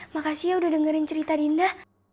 makasih ya udah dengerin cerita rinda